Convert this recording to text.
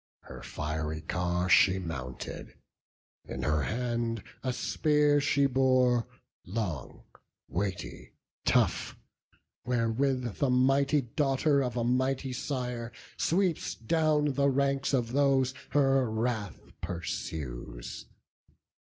The fiery car she mounted; in her hand A spear she bore, long, weighty, tough; wherewith The mighty daughter of a mighty sire Sweeps down the ranks of those her wrath pursues.